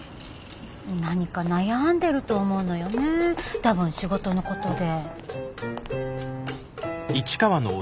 何か悩んでると思うのよね多分仕事のことで。